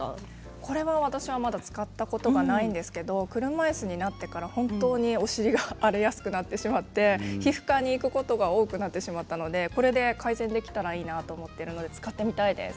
これは私はまだ使ったことがないんですけど車いすになってから本当にお尻が荒れやすくなってしまって皮膚科に行くことが多くなってしまったのでこれで改善できたらいいなと思っているので使ってみたいです。